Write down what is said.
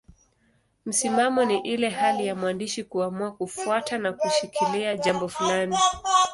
Msimamo ni ile hali ya mwandishi kuamua kufuata na kushikilia jambo fulani.